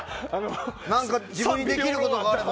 自分にできることがあれば。